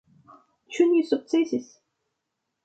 Ĉu ni sukcesis?